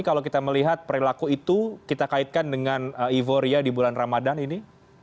kalau kita melihat perilaku itu kita kaitkan dengan euforia di bulan ramadan ini